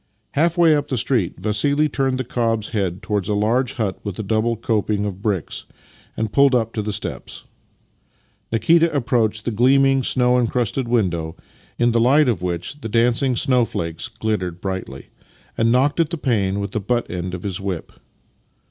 Half way up the street Vassili turned the cob's head towards a large hut with a double coping of bricks, and pulled up at the steps. Nikita approached the gleaming, snow encrusted window, in the light of which the dancing snowflakes glittered brightly, and knocked at a pane with the butt end of his whip.